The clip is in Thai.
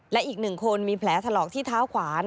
และอีก๑คนมีแผลถลอกที่เท้าขวา